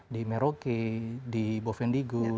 di merauke di bovendigul